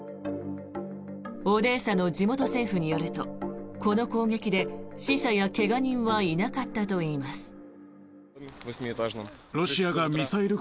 オデーサの地元政府によるとこの攻撃で死者や怪我人はいなかったといいます。